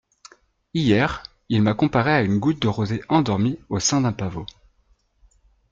Hier, il m'a comparée à une goutte de rosée endormie au sein d'un pavot.